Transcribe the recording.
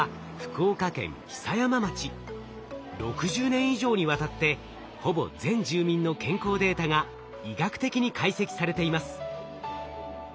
６０年以上にわたってほぼ全住民の健康データが医学的に解析されています。